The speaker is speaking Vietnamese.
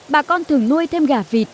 bà con thường nuôi thêm gà vịt